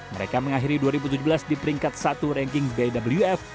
mereka mengakhiri dua ribu tujuh belas di peringkat satu ranking bwf